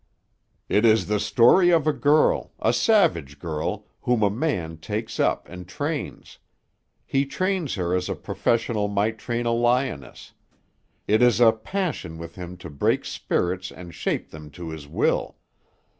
"It is the story of a girl, a savage girl, whom a man takes up and trains. He trains her as a professional might train a lioness. It is a passion with him to break spirits and shape them to his will.